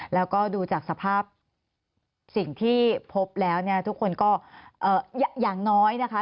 แล้วก็ดูจากสภาพสิ่งที่พบแล้วเนี่ยทุกคนก็อย่างน้อยนะคะ